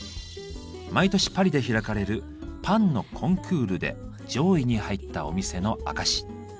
毎年パリで開かれるパンのコンクールで上位に入ったお店の証し。